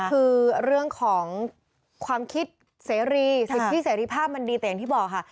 คือเรื่องของความคิดเสรีที่เสรีภาพมันดีตัวเองที่บอก